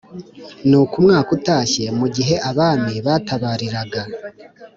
Nuko umwaka utashye mu gihe abami batabariraga